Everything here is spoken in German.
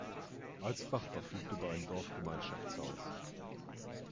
Alsbach verfügt über ein Dorfgemeinschaftshaus.